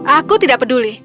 aku tidak peduli